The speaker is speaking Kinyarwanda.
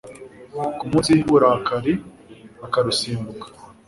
ku munsi w'uburakari, akarusimbuka